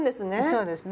そうですね。